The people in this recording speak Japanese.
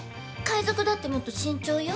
海賊だってもっと慎重よ。